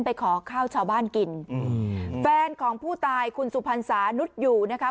ไปขอข้าวชาวบ้านกินอืมแฟนของผู้ตายคุณสุพรรณสานุษย์อยู่นะคะ